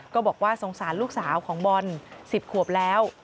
ก็บอกว่าสงสารลูกสาวของบอล๑๐ขวบแล้ว